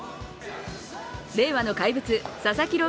令和の怪物・佐々木朗